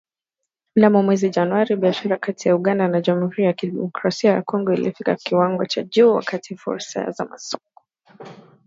Mnamo mwezi Januari, biashara kati ya Uganda na Jamhuri ya kidemokrasia ya Kongo ilifikia kiwango cha juu, wakati fursa za masoko